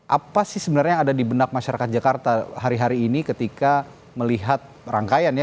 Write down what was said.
apa sih sebenarnya yang ada di benak masyarakat jakarta hari hari ini ketika melihat rangkaian ya